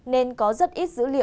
nên có rất nhiều phương tiện